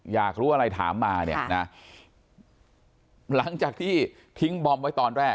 อยากรู้อะไรถามมาเนี่ยนะหลังจากที่ทิ้งบอมไว้ตอนแรก